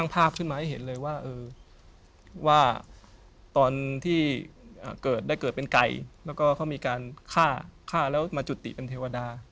เพราะว่าเราก็อยู่คนเดียว